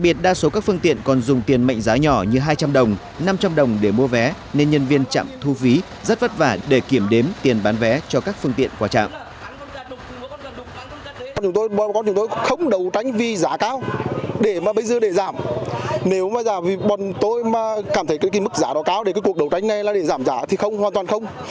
bọn chúng tôi không đấu tranh vì giá cao để mà bây giờ để giảm nếu mà giảm vì bọn tôi mà cảm thấy cái mức giá đó cao để cái cuộc đấu tranh này là để giảm giá thì không hoàn toàn không